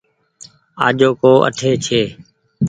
آجو ڪو اٺي ڇي ۔